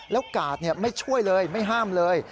แล้วกาดไม่ช่วยเลยไม่ห้ามเลย